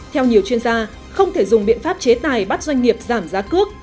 theo nhiều chuyên gia không thể dùng biện pháp chế tài bắt doanh nghiệp giảm giá cước